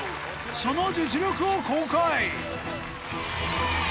その実力を公開！